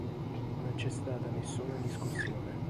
Non c'è stata nessuna discussione.